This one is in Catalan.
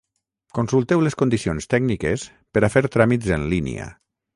Consulteu les condicions tècniques per a fer tràmits en línia.